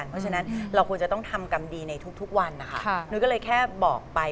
เพราะฉะนั้นเราควรจะต้องทำกรรมดีในทุกวันนะคะนุ้ยก็เลยแค่บอกไป